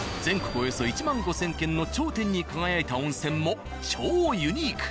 およそ１万５０００軒の頂点に輝いた温泉も超ユニーク。